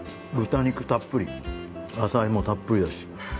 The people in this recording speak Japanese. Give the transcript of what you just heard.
豚肉たっぷり野菜もたっぷりだし。